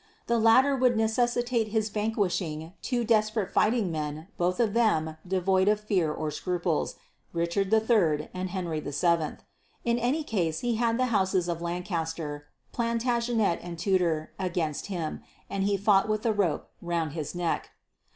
The latter would necessitate his vanquishing two desperate fighting men both of them devoid of fear or scruples Richard III and Henry VII. In any case he had the Houses of Lancaster, Plantagenet and Tudor against him and he fought with the rope round his neck.